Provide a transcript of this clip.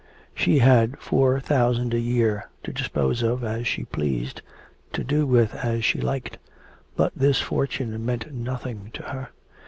She had four thousand a year to dispose of as she pleased, to do with as she liked, but this fortune meant nothing to her.